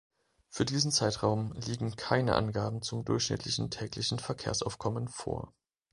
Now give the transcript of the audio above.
Für diesen Zeitraum liegen keine Angaben zum durchschnittlichen täglichen Verkehrsaufkommen vor.